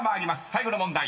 最後の問題。